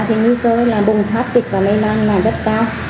thì nguy cơ là bùng phát dịch và lây lan là rất cao